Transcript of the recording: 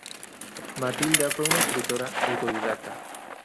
Matilda fue una escritora autodidacta.